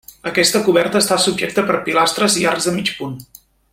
Aquesta coberta està subjecta per pilastres i arcs de mig punt.